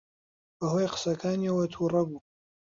بەهۆی قسەکانیەوە تووڕە بوو.